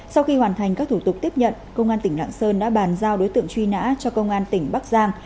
sau khi hoàn thành các thủ tục tiếp nhận công an tỉnh lạng sơn đã bàn giao đối tượng truy nã cho công an tỉnh bắc giang